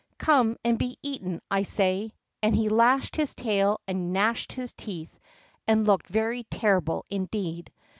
Come and be eaten, I say!" and he lashed his tail and gnashed his teeth, and looked very terrible indeed.